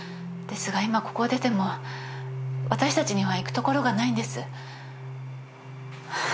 ですが今ここを出ても私たちには行くところがないんです。